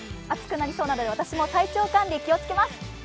暑くなりそうなので、私も体調管理気をつけます。